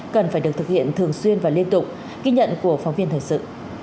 cần phải được thực hiện thường xuyên và liên tục ghi nhận của phóng viên thời sự